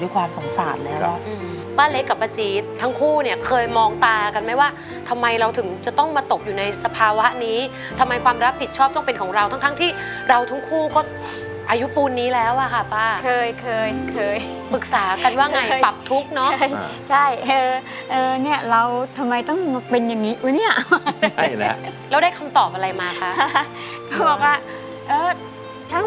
ความสงสารแล้วเนอะป้าเล็กกับป้าจี๊ดทั้งคู่เนี่ยเคยมองตากันไหมว่าทำไมเราถึงจะต้องมาตกอยู่ในสภาวะนี้ทำไมความรับผิดชอบต้องเป็นของเราทั้งทั้งที่เราทั้งคู่ก็อายุปูนนี้แล้วอ่ะค่ะป้าเคยเคยเคยปรึกษากันว่าไงปรับทุกข์เนาะใช่เออเออเนี่ยเราทำไมต้องมาเป็นอย่างนี้วะเนี่ยแล้วได้คำตอบอะไรมาคะก็บอกว่าเออช่าง